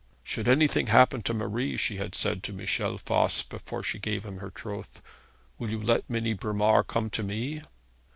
'Should anything happen to Marie,' she had said to Michel Voss, before she gave him her troth, 'you will let Minnie Bromar come to me?'